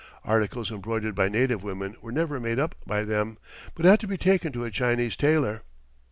Articles embroidered by native women were never made up by them, but had to be taken to a Chinese tailor.